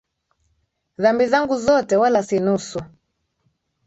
Dhambi zangu zote wala si nusu